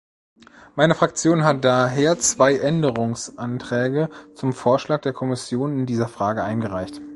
Meine Fraktion hat daher zwei Änderungsanträge zum Vorschlag der Kommission in dieser Frage eingereicht.